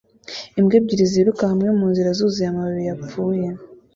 Imbwa ebyiri ziruka hamwe munzira zuzuye amababi yapfuye